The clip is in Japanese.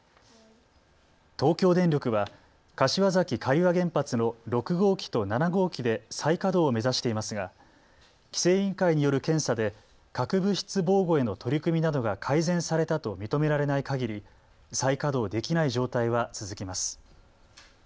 東京電力は柏崎刈羽原発の６号機と７号機で再稼働を目指していますが規制委員会による検査で核物質防護への取り組みなどが改善されたと認められないかぎり再稼働できない状態は続きます。